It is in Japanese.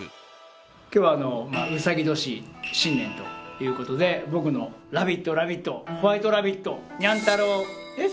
今日は卯年新年という事で僕のラビットラビットホワイトラビットにゃんたろうです。